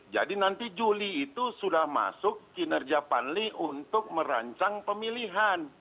jadi nanti juli itu sudah masuk kinerja panli untuk merancang pemilihan